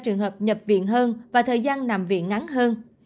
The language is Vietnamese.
trường hợp nhập viện hơn và thời gian nằm viện ngắn hơn